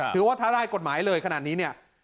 ถือว่าถ้าได้กฎหมายเลยขนาดนี้เนี่ย